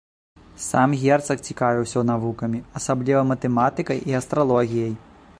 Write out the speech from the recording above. Сам герцаг цікавіўся навукамі, асабліва матэматыкай і астралогіяй.